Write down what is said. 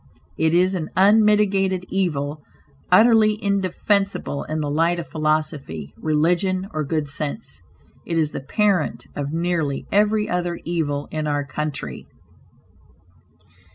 It is an unmitigated evil, utterly indefensible in the light of philosophy; religion or good sense. It is the parent of nearly every other evil in our country.